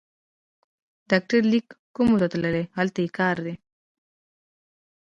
ډاکټر لېک کومو ته تللی، هلته یې کار دی.